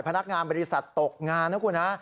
พนักงานบริษัทตกงานนะคุณฮะ